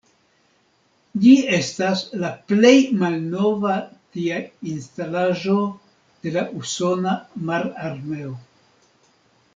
Ĝi estas la plej malnova tia instalaĵo de la usona mararmeo.